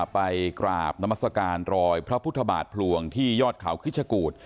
ไปกราบนามัศกาลรอยพระพุทธบาทพลวงที่ยอดเขาคิชกูธ